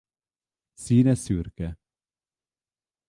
Színe szürke.